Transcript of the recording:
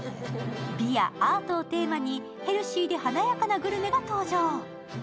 美やアートをテーマにヘルシーで華やかなグルメが登場。